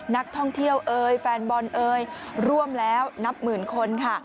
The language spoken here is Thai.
นักท่องเที่ยวเอยแฟนบอลเอ่ยร่วมแล้วนับหมื่นคนค่ะ